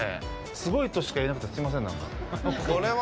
すごいとしか言えなくてすみませんなんか、本当に。